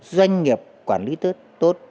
doanh nghiệp quản lý tốt